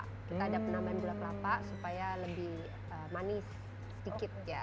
kita ada penambahan gula kelapa supaya lebih manis sedikit ya